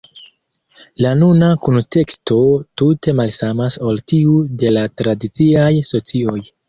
La nuna kunteksto tute malsamas ol tiu de la tradiciaj socioj.